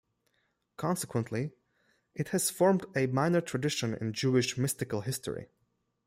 Consequently, it has formed a minor tradition in Jewish mystical history.